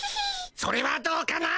それはどうかな？